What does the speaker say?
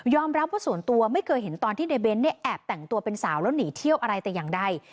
รับว่าส่วนตัวไม่เคยเห็นตอนที่ในเบ้นเนี่ยแอบแต่งตัวเป็นสาวแล้วหนีเที่ยวอะไรแต่อย่างใด